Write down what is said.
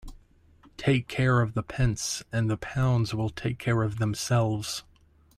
Take care of the pence and the pounds will take care of themselves.